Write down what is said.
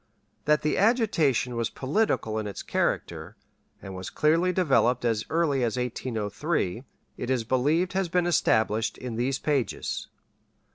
That the agitation was political in its character, and was clearly developed as early as 1803, it is believed has been established in these pages.